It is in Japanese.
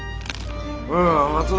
ああ松平